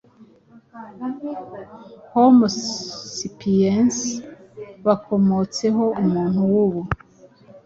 Homo sapiens bakomotseho umuntu w'ubu